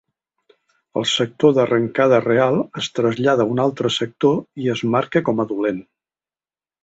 El sector d'arrencada real es trasllada a un altre sector i es marca com a dolent.